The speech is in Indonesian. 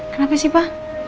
kenapa sih pa